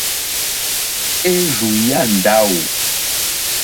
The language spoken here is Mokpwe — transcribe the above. Érzù yá ndáwò.